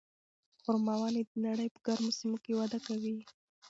خورما ونې د نړۍ په ګرمو سیمو کې وده کوي.